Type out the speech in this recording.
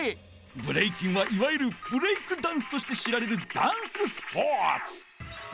ブレイキンはいわゆるブレイクダンスとして知られるダンススポーツ！